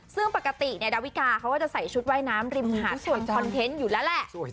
ซึ่งปกติดาวิกาเขาก็จะใส่ชุดว่ายน้ำริมหาดคอนเทนต์อยู่แล้วแหละ